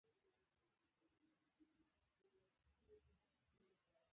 نیکه د خپلې کورنۍ لپاره د یوه ټولنیز بنسټ په توګه ژوند کوي.